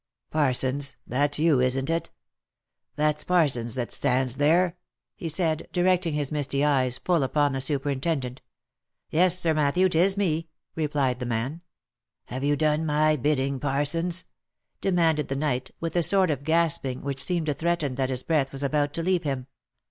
"Parsons! that's you, isn't it? That's Parsons that stands there V 9 he said, directing his misty eyes full upon the superinten dent. " Yes, Sir Matthew, 'tis me," replied the man. " Have you done my bidding, Parsons ?" demanded the knight, with a sort of gasping which seemed to threaten that his breath was about to leave him.